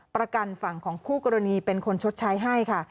ประกันฝั่งของคู่กรณีเป็นคนชดใช้ให้ค่ะ